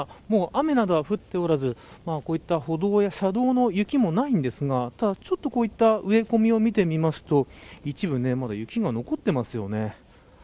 もう雨などは降っておらずこういった歩道や車道の雪もないですがただちょっと、こういった植え込みを見てみますと一部、まだ雪が残ってますよね。